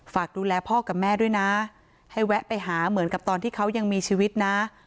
ฝากดูแลพ่อกับแม่ด้วยนะให้แวะไปหาเหมือนกับตอนที่เขายังมีชีวิตนะ